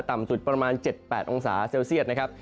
ต่ำสุดประมาณ๗๘องศาเซลเซียตนะครับ